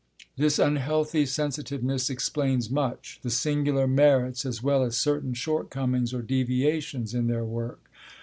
This unhealthy sensitiveness explains much, the singular merits as well as certain shortcomings or deviations, in their work.